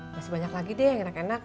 gak sebanyak lagi deh yang enak enak